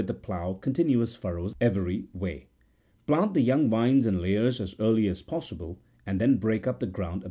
the plough continuous furrows every way. Plant the young vines in layers as early as possible, and then break up the ground about them.